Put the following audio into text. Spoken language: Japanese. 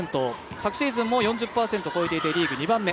昨シーズンも４０％を超えていてリーグ２番目。